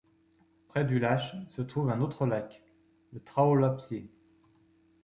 Près du Lache, se trouve un autre lac, le Traualpsee.